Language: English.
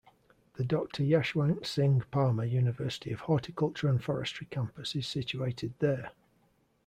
The Doctor Yashwant Singh Parmar University of Horticulture and Forestry campus is situated there.